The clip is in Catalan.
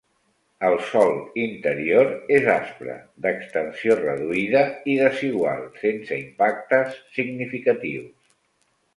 El sòl interior és aspre, d'extensió reduïda i desigual, sense impactes significatius.